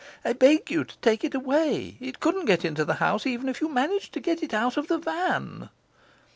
'I beg you to take it away; it couldn't get into the house, even if you managed to get it out of the van.